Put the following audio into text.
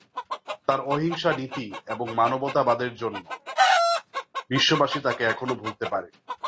তঁার অহিংসা নীতি এবং মানবতাবাদের জন্য বিশ্ববাসী তঁাকে এখনো ভুলতে পারেনি।